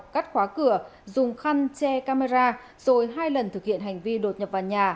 cắt khóa cửa dùng khăn che camera rồi hai lần thực hiện hành vi đột nhập vào nhà